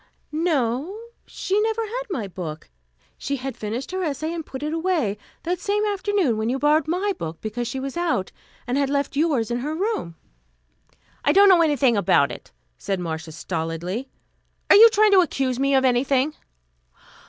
"No; she never had my book. She had finished her essay and put it away, that same afternoon, when you borrowed my book because she was out, and had left yours in her room." "I don't know anything about it," said Marcia stolidly. "Are you trying to accuse me of anything?"